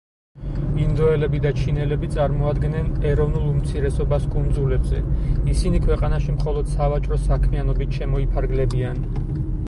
ინდოელები და ჩინელები წარმოადგენენ ეროვნულ უმცირესობას კუნძულებზე, ისინი ქვეყანაში მხოლოდ სავაჭრო საქმიანობით შემოიფარგლებიან.